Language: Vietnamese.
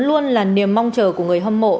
luôn là niềm mong chờ của người hâm mộ